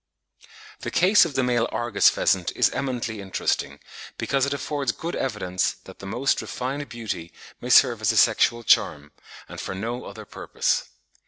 The case of the male Argus pheasant is eminently interesting, because it affords good evidence that the most refined beauty may serve as a sexual charm, and for no other purpose.